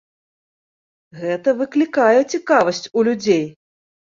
Гэта выклікае цікавасць у людзей.